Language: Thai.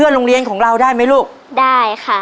โรงเรียนของเราได้ไหมลูกได้ค่ะ